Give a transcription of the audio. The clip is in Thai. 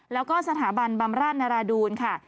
แล้วก็สถาบันบำราชนราดูลค่ะ